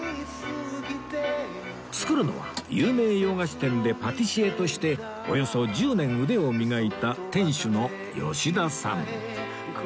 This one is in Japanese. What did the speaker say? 作るのは有名洋菓子店でパティシエとしておよそ１０年腕を磨いた店主の吉田さん